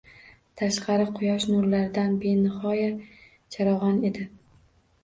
Tashqari quyosh nurlaridan benihoya charog’on edi.